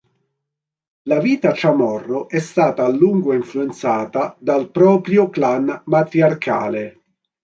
La vita Chamorro è stata a lungo influenzata dal proprio clan matriarcale.